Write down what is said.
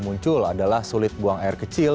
muncul adalah sulit buang air kecil